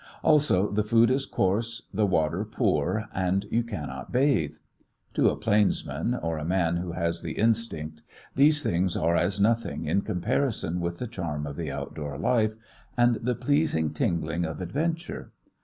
Also the food is coarse, the water poor, and you cannot bathe. To a plainsman, or a man who has the instinct, these things are as nothing in comparison with the charm of the outdoor life, and the pleasing tingling of adventure.